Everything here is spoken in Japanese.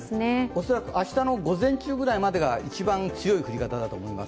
恐らく明日の午前中ぐらいまでが一番強い降り方だと思います。